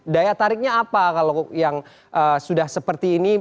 daya tariknya apa kalau yang sudah seperti ini